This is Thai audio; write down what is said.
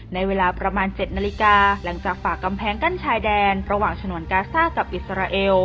ในเวลาประมาณ๗นาฬิกาหลังจากฝากกำแพงกั้นชายแดนระหว่างฉนวนกาซ่ากับอิสราเอล